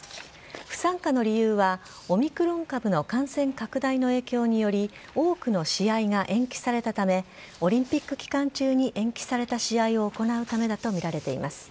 不参加の理由は、オミクロン株の感染拡大の影響により、多くの試合が延期されたため、オリンピック期間中に延期された試合を行うためだと見られています。